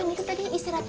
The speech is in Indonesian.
no dikbalik itu dan iya